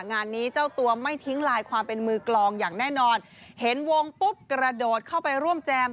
งานนี้เจ้าตัวไม่ทิ้งลายความเป็นมือกลองอย่างแน่นอนเห็นวงปุ๊บกระโดดเข้าไปร่วมแจม